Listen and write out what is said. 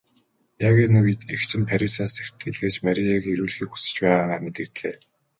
Яг энэ үед эгч нь Парисаас захидал илгээж Марияг ирүүлэхийг хүсэж байгаагаа мэдэгдлээ.